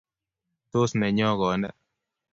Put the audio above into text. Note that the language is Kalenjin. Tos nenyo kone?